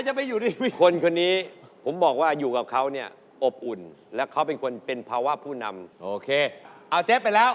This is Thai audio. ท่ามือซ้ายกับขวานี่ต่างกันอย่างไง